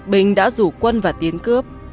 bình đã rủ quân và tiến cướp